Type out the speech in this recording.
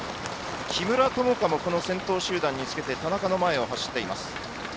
木村友香も先頭集団につけて田中の前を走っています。